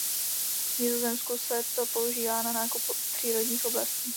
V Nizozemsku se to používá na nákup přírodních oblastí.